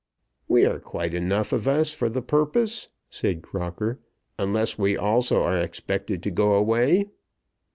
"We are quite enough of us for the purpose," said Crocker, "unless we also are expected to go away."